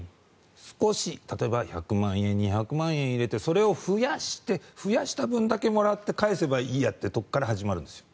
少し、例えば１００万円２００万円入れてそれを増やして増やした分だけもらって返せばいいやっていうところから始まるんですよ。